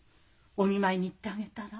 お見舞いに行ってあげたら？